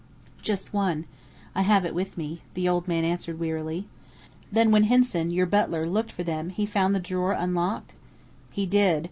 "Just one. I have it with me," the old man answered wearily. "Then when Hinson, your butler, looked for them, he found the drawer unlocked?" "He did.